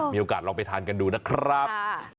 มีโอกาสลองไปทานกันดูนะครับ